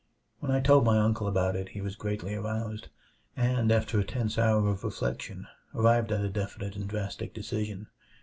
When I told my uncle about it he was greatly aroused; and after a tense hour of reflection, arrived at a definite and drastic decision.